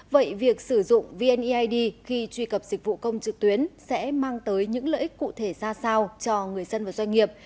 vậy việc sử dụng vneid khi truy cập dịch vụ công trực tuyến sẽ mang tới những lợi ích cụ thể ra sao cho người dân và doanh nghiệp